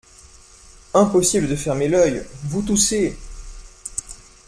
Impossible de fermer l’œil… vous toussez !…